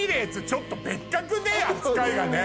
ちょっと別格ね扱いがね。